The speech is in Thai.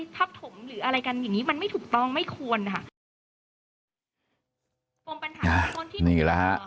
คบนะสินะ